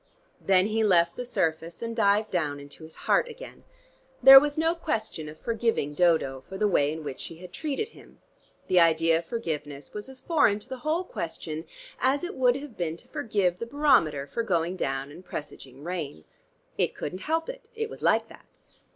Then he left the surface and dived down into his heart again.... There was no question of forgiving Dodo for the way in which she had treated him: the idea of forgiveness was as foreign to the whole question as it would have been to forgive the barometer for going down and presaging rain. It couldn't help it: it was like that.